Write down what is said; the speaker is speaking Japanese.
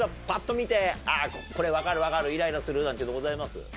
パッと見てこれ分かる分かるイライラするなんていうのございます？